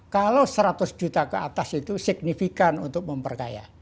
kalau seratus juta ke atas itu signifikan untuk memperkaya